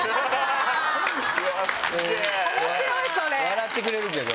笑ってくれるけど。